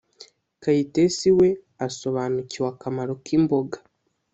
kayitesi we asobanukiwe akamaro k’imboga.